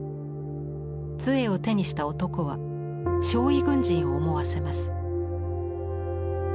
つえを手にした男は傷痍軍人を思わせます。